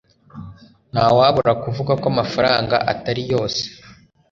Ntawabura kuvuga ko amafaranga atari yose